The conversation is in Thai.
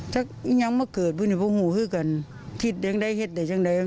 เอาก็เรื่องประเมินหรือคู่กันซะคุณสั่งราสที่เป็นยังไงฮะ